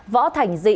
võ thành dị